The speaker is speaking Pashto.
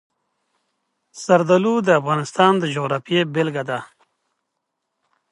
زردالو د افغانستان د جغرافیې بېلګه ده.